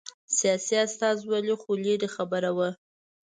سیاسي استازولي خو لرې خبره وه